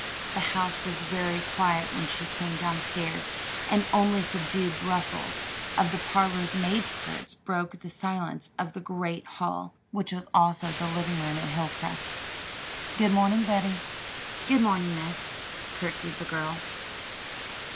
The house was very quiet when she came down stairs, and only the subdued rustle of the parlor maid's skirts broke the silence of the great hall which was also the living room at Hilcrest. "Good morning, Betty." "Good morning, Miss," courtesied the girl.